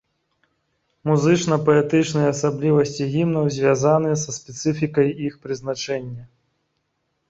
Музычна-паэтычныя асаблівасці гімнаў звязаны са спецыфікай іх прызначэння.